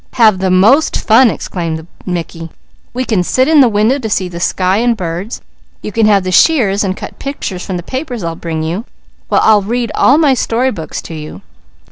"Have the most fun!" explained Mickey. "We can sit in the window to see the sky and birds; you can have the shears and cut pictures from the papers I'll bring you, while I'll read all my story books to you.